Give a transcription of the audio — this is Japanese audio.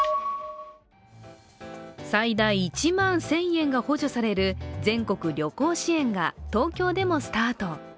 最大１万１０００円が補助される全国旅行支援が、東京でもスタート。